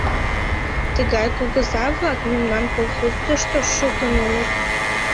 Тыгай кугыза-влак мемнан колхозышто шукын улыт.